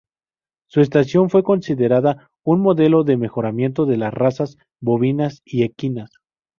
Su estancia fue considerada un modelo de mejoramiento de las razas bovinas y equinas.